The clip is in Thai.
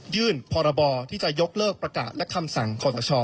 พรบที่จะยกเลิกประกาศและคำสั่งขอตช